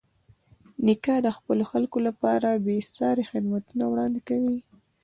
نیکه د خپلو خلکو لپاره بېساري خدمتونه وړاندې کوي.